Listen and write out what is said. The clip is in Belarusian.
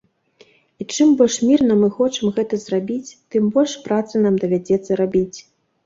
І чым больш мірна мы хочам гэта зрабіць, тым больш працы нам давядзецца рабіць.